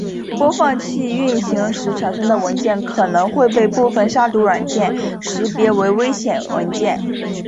播放器运行时产生的文件可能会被部分杀毒软件识别为危险文件。